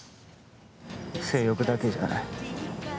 性欲だけじゃない。